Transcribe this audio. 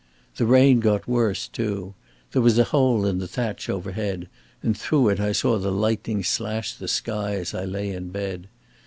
The rain got worse too. There was a hole in the thatch overhead, and through it I saw the lightning slash the sky, as I lay in bed.